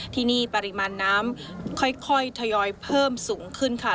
ที่นี่ปริมาณน้ำค่อยทยอยเพิ่มสูงขึ้นค่ะ